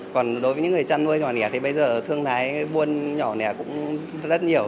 còn đối với những người chăn nuôi nhỏ nhẹ thì bây giờ thường lái buôn nhỏ nhẹ cũng rất nhiều